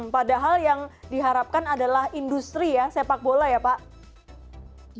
padahal yang diharapkan adalah industri ya sepak bola ya pak